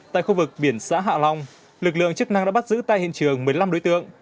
tại khu vực biển xã hạ long lực lượng chức năng đã bắt giữ tại hiện trường một mươi năm đối tượng